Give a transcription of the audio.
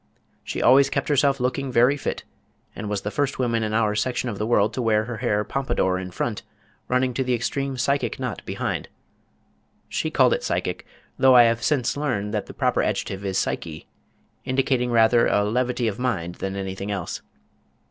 She always kept herself looking very fit, and was the first woman in our section of the world to wear her hair pompadour in front, running to the extreme psychic knot behind she called it psychic, though I have since learned that the proper adjective is Psyche, indicating rather a levity of mind than anything else.